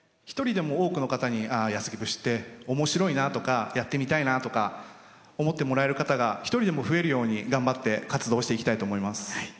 一人でも多くの方に「安来節」って面白いなとかやってみたいなとか思ってもらえる方が一人でも増えるように頑張って活動していきたいと思います。